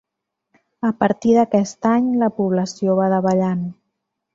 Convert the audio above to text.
A partir d'aquest any, la població va davallant.